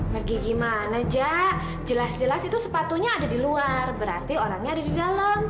pergi gimana jak jelas jelas itu sepatunya ada di luar berarti orangnya ada di dalam